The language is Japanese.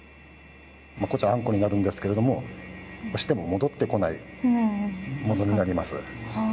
こちらあんこになるんですけれども押しても戻ってこないものになります。